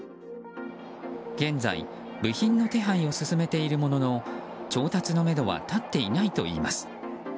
現在、部品の手配を進めているものの調達のめどは立っていないといいます。